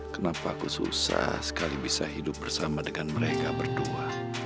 kenapa aku susah sekali bisa hidup bersama dengan mereka berdua